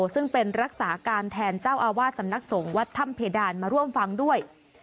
ซึ่งเป็นรักษาการแทนเจ้าอาวาสสำนักสงฆ์วัดถ้ำเพดานมาร่วมฟังด้วย